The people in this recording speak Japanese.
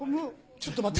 ちょっと待って！